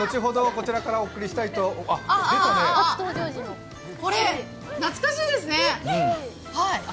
こちらからお送りしたいとこれ、懐かしいですね。